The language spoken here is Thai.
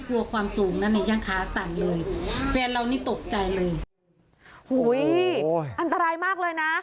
ความสูงนั้นเนี่ยยังขาสั่นเลยแฟนเรานี่ตกใจเลยหุ้ยอันตรายมากเลยนะ